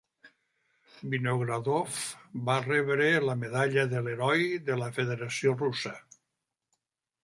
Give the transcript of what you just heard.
Vinogradov va rebre la medalla de l'Heroi de la Federació Russa.